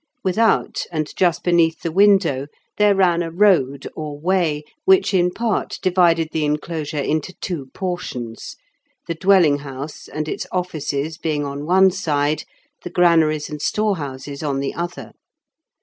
Without, and just beneath the window, there ran a road or way, which in part divided the enclosure into two portions; the dwelling house and its offices being on one side, the granaries and storehouses on the other.